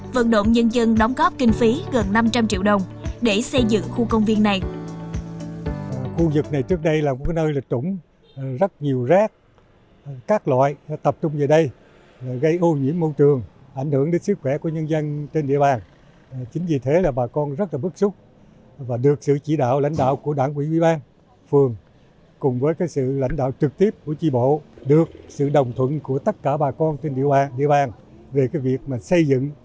vận động nhân dân đóng góp kinh phí gần năm trăm linh triệu đồng để xây dựng khu công viên này